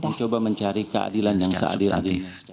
saya mencoba mencari keadilan yang seadil